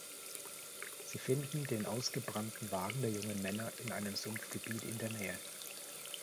Sie finden den ausgebrannten Wagen der jungen Männer in einem Sumpfgebiet in der Nähe.